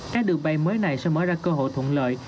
các đường bay mới này sẽ mở ra cơ hội thuận lợi